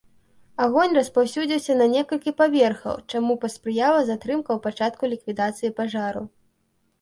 Агонь распаўсюдзіўся на некалькі паверхаў, чаму паспрыяла затрымка ў пачатку ліквідацыі пажару.